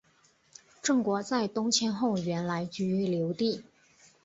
郑国在东迁后原来居于留地。